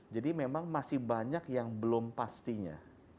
jadi memang masih banyak yang belum pastinya